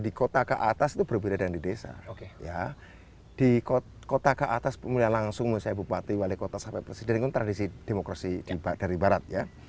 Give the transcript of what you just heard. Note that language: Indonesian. di kota ke atas pemulihan langsung misalnya bupati wali kota sampai presiden ini kan tradisi demokrasi dari barat